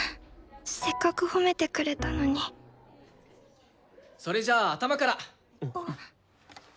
せっかく褒めてくれたのにそれじゃあ頭から。